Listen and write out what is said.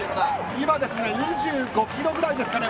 今２５キロくらいですかね。